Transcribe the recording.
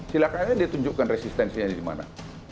silahkan aja dia tunjukkan resistensinya di mana